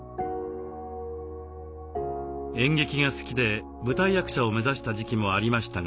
演劇が好きで舞台役者を目指した時期もありましたが挫折。